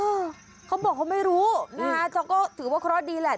เออเขาบอกเขาไม่รู้แต่ก็ถือว่าเคราะห์ดีแหละ